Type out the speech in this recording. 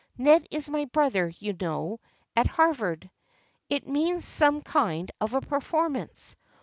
Ned is my brother, you know, at Harvard. It means some kind of a performance.